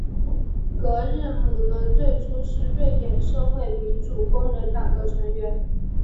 格日姆伦最初是瑞典社会民主工人党的成员。